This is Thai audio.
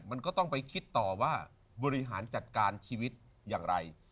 มันก็ต้องไปคิดต่อว่าบริหารจัดการชีวิตอย่างไร